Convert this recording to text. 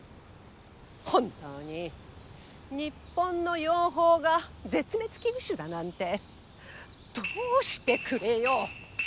本当に日本の養蜂が絶滅危惧種だなんてどうしてくれよう！